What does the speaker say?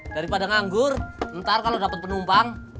daripada nganggur ntar kalo dapet penumpang